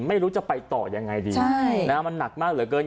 ไม่รู้จะไปต่อยังไงดีมันหนักมากเหลือเกิน